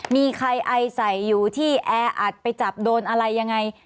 มีใครไอใส่อยู่ที่แออัดไปจับโดนอะไรยังไง